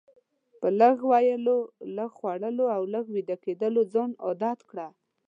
په لږ ویلو، لږ خوړلو او لږ ویده کیدلو ځان عادت کړه.